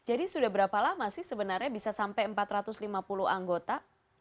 jadi sudah berapa lama sih sebenarnya bisa sampai empat ratus lima puluh anggota